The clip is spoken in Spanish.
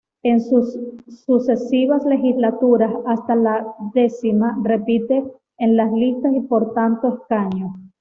En sucesivas Legislaturas, hasta la X, repite en las listas y por tanto escaño.